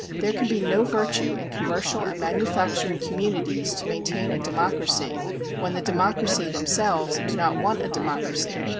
... There can be no virtue in commercial and manufacturing communities to maintain a democracy, when the democracy themselves do not want a democracy.